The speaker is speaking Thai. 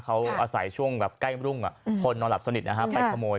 เขาอาศัยช่วงแบบใกล้รุ่งคนนอนหลับสนิทนะฮะไปขโมย